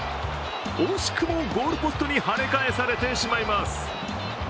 惜しくもゴールポストにはね返されてしまいます。